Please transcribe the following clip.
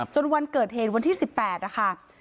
จนวันเกิดเห็นวันที่๑๘อ่ะค่ะ